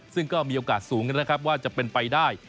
ซึ่งก็มีโอกาสสูงนะครับว่าจะเป็นไปได้